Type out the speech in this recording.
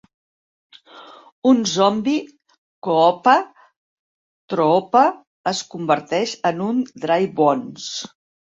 Un zombi Koopa Troopa es converteix en un Dry Bones.